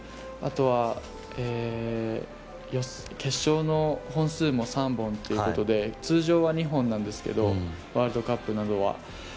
あとは決勝の本数も３本ということで通常は２本なんですけどワールドカップなどは。